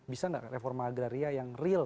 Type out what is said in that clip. bisa nggak reforma agraria yang real